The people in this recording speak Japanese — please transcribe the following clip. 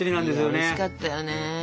いやおいしかったよね。